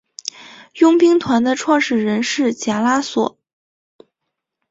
佣兵团的创始人是贾拉索。